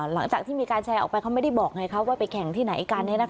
หลังจากที่มีการแชร์ออกไปเขาไม่ได้บอกไงคะว่าไปแข่งที่ไหนกัน